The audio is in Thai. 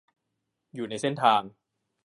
อยู่ในเส้นทาง